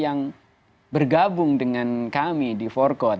yang bergabung dengan kami di forkot